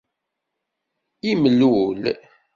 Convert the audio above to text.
Imlul